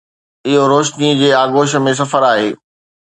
اهو روشنيءَ جي آغوش ۾ سفر آهي.